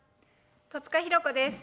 戸塚寛子です。